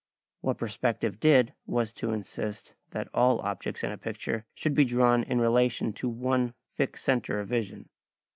What perspective did was to insist that all objects in a picture should be drawn in relation to one fixed centre of vision.